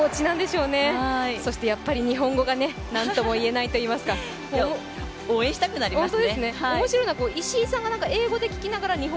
そして日本語がなんとも言えないといいますか、応援したくなりますね。